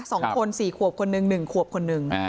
สองคนสี่ขวบคนหนึ่งหนึ่งขวบคนหนึ่งอ่า